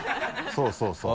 そうそうそう。